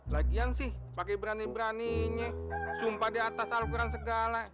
lagian sih pake berani beraninya sumpah di atas alquran segala